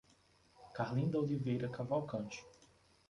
Carlinda Oliveira Cavalcante